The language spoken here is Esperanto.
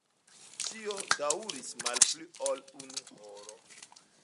Ĉio daŭris malpli ol unu horo.